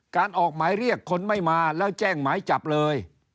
ออกหมายเรียกคนไม่มาแล้วแจ้งหมายจับเลย